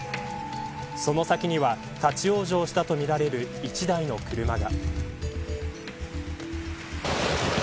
その先には立ち往生したとみられる１台の車が。